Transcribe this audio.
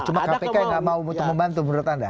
cuma kpk tidak mau membantu menurut anda